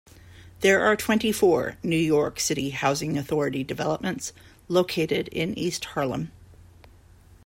There are twenty-four New York City Housing Authority developments located in East Harlem.